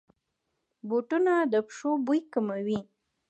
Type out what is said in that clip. بوټونه د پښو بوی کموي.